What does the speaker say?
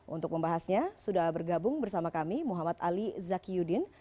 untuk membahasnya sudah bergabung bersama kami muhammad ali zakyudin